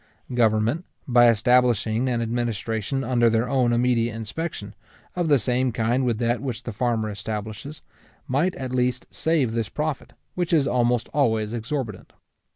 Government, by establishing an administration under their own immediate inspection, of the same kind with that which the farmer establishes, might at least save this profit, which is almost always exorbitant.